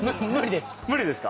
無理です。